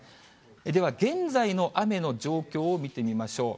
では現在の雨の状況を見てみましょう。